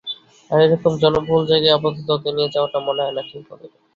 আর, এরকম জনবহুল জায়গায় আপাতত ওকে নিয়ে যাওয়াটা মনে হয় না ঠিক হবে।